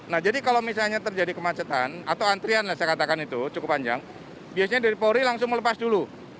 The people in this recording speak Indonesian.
nah jadi kalau misalnya terjadi kemacetan atau antrian lah saya katakan itu cukup panjang biasanya dari polri langsung melepas dulu